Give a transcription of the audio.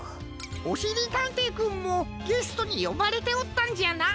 おしりたんていくんもゲストによばれておったんじゃな。